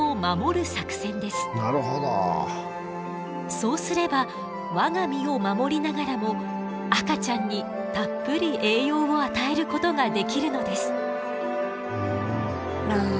そうすれば我が身を守りながらも赤ちゃんにたっぷり栄養を与えることができるのです。